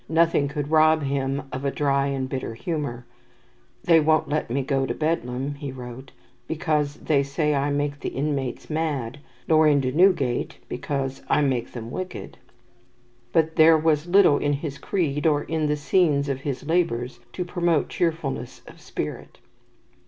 Nothing could rob him of a dry and bitter humour ("They won't let me go to Bedlam," he wrote, "because they say I make the inmates mad, nor into Newgate, because I make them wicked"); but there was little in his creed or in the scenes of his labours to promote cheerfulness of spirit.